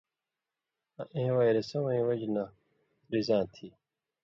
آں اَیں وائرسہ وَیں وجہۡ نہ رِزاں تھی۔